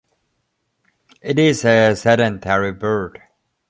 It is a sedentary bird.